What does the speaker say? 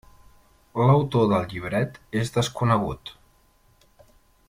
L'autor del llibret és desconegut.